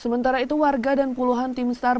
sementara itu warga dan puluhan tim sar